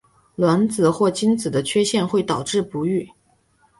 卵子或精子的缺陷会导致不育。